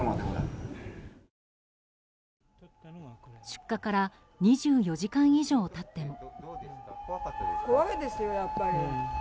出火から２４時間以上経っても。